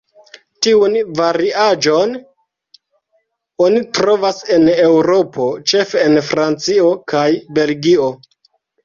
Tiun variaĵon oni trovas en Eŭropo, ĉefe en Francio kaj Belgio.